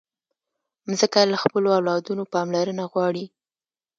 مځکه له خپلو اولادونو پاملرنه غواړي.